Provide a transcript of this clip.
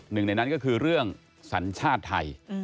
หนึ่งในนั้นก็คือเรื่องสัญชาติไทย